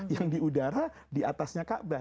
yang di udara diatasnya ka'bah